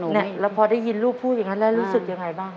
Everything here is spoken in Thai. เนี่ยแล้วพอได้ยินลูกพูดอย่างนั้นแล้วรู้สึกยังไงบ้าง